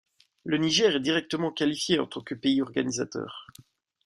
Le Niger est directement qualifié en tant que pays organisateur.